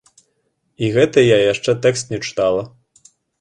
І гэта я яшчэ тэкст не чытала.